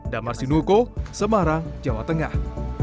damar sinuko semarang jawa tengah